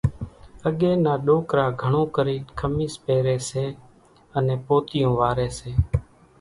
اڳيَ نا ڏوڪرا گھڻون ڪرينَ کميس پيريَ سي انين پوتيون واريَ سي۔